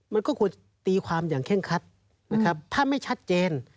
มันก็ควรตีความอย่างเคร่งคัดนะครับถ้าไม่ชัดเจน